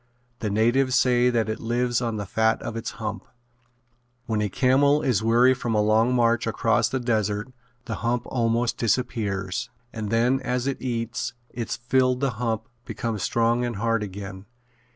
The natives say that it lives on the fat of its hump. When a camel is weary from a long march across the desert the hump almost disappears and then as it eats its fill the hump becomes strong and hard again.